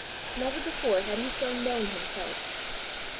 Never before had he so known himself!